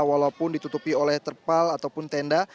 walaupun ditutupi oleh terpal ataupun tenda